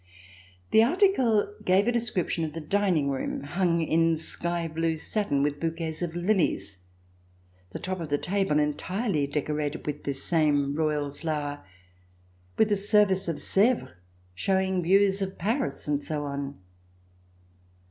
The article gave a descrip tion of the dining room hung in sky blue satin with bouquets of lilies, the top of the table entirely deco rated with this same royal flower, with the service of Sevres showing views of Paris and so on.